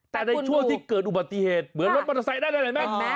แต่ในช่วงที่เกิดอุบัติเหตุเหมือนรถมอเตอร์ไซค์นั้นเห็นไหม